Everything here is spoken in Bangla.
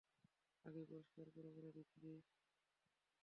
আগেই পরিষ্কার করে বলে নিচ্ছি!